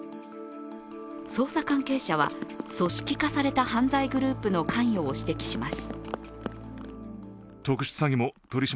捜査関係者は、組織化された犯罪グループの関与を指摘します。